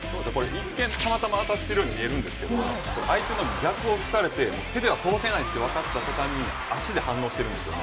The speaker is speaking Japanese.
一見、たまたま当たっているように見えるんですが相手に逆を突かれて手では届かないと分かった途端に足で反応しているんです。